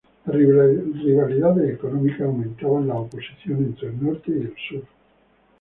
Las rivalidades económicas aumentaban la oposición entre el Norte y el Sur.